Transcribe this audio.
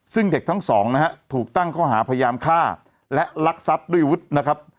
ซึ่งเด็กทั้งสองนะฮะถูกตั้งข้อหาพยายามฆ่าและลักทรัพย์ด้วยวุฒินะครับ